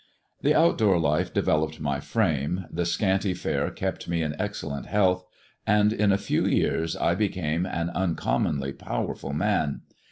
The out door life developed my frame, the scanty fare kept me in excellent health, and in a few years I became an uncommonly powerful man.